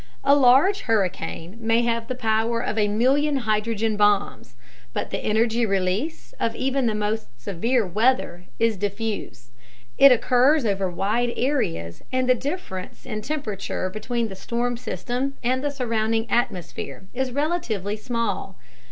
A large hurricane may have the power of a million hydrogen bombs. But the energy release of even the most severe weather is diffuse; it occurs over wide areas, and the difference in temperature between the storm system and the surrounding atmosphere is relatively small.